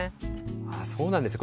そうなんですね。